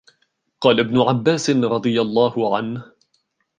قَالَ ابْنُ عَبَّاسٍ رَضِيَ اللَّهُ عَنْهُ